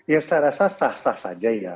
ya saya rasa sah sah saja ya